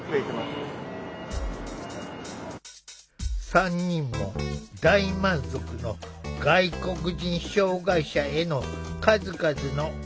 ３人も大満足の外国人障害者への数々の“おもてなし”。